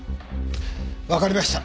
分かりました。